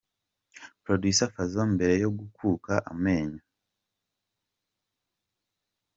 Producer Fazzo mbere yo Gukuka amanyo.